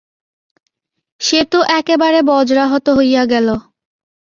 সে তো একেবারে বজ্রাহত হইয়া গেল।